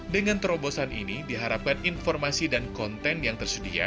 dengan terobosan ini diharapkan informasi dan konten yang tersedia